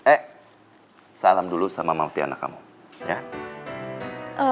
eh salam dulu sama mama tiana kamu ya